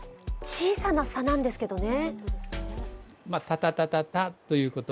小さな差なんですけどね。